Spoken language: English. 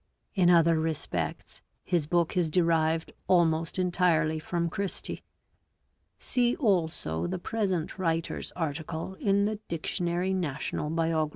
In other respects his book is derived almost entirely from Christie. See also the present writer's article in the Diet. Nat. Biog.